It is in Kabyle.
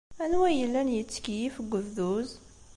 Anwa ay yellan yettkeyyif deg ubduz?